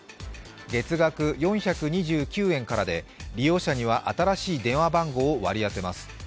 月額４２９円からで利用者には新しい電話番号を割り当てます。